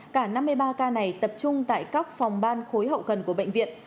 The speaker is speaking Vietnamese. cả năm mươi ba ca này tập trung tại các phòng ban khối hậu cần của bệnh viện